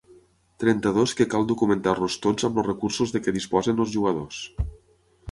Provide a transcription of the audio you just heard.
Trenta-dos que cal documentar-los tots amb els recursos de què disposen els jugadors.